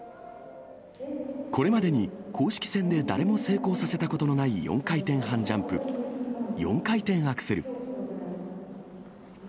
これまでに公式戦で誰も成功させたことのない４回転半ジャンプ・４回転アクセル。